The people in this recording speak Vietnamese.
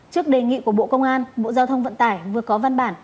trước đề nghị của bộ công an bộ giao thông vận tải vừa có văn bản